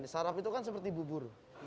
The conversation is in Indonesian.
saraf itu kan seperti bubur